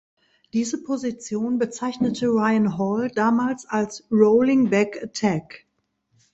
Diese Position bezeichnete Ryan Hall damals als „Rolling Back Attack“.